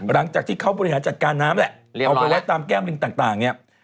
หลังจากที่เขาบริหารจัดการน้ำแหละเอาไปไว้ตามแก้มลิงต่างเนี่ย